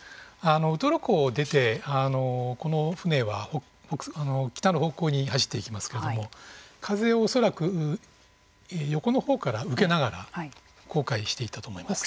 ウトロ港を出てこの船は北の方向に走っていきますけれども風を恐らく横のほうから受けながら航海していったと思います。